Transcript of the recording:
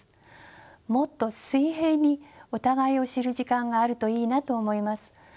もっと水平にお互いを知る時間があるといいなと思います。